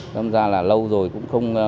thế nên là lâu rồi cũng không